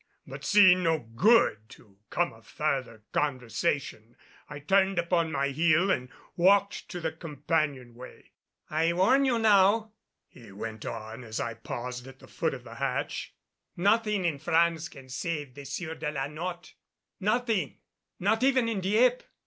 But seeing no good to come of further conversation I turned upon my heel and walked to the companion way. "I warn you now," he went on as I paused at the foot of the hatch, "nothing in France can save the Sieur de la Notte nothing not even in Dieppe.